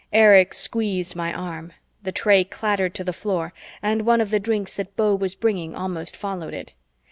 Erich squeezed my arm. The tray clattered to the floor and one of the drinks that Beau was bringing almost followed it.